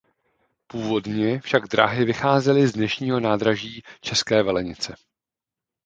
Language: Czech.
Původně však dráhy vycházely z dnešního nádraží České Velenice.